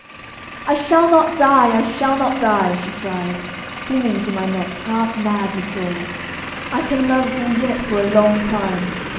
'I shall not die! I shall not die!' she cried, clinging to my neck, half mad with joy. 'I can love thee yet for a long time.